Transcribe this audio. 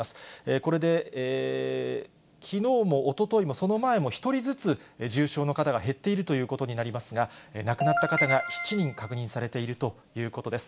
これできのうもおとといも、その前も、１人ずつ重症の方が減っているということになりますが、亡くなった方が７人確認されているということです。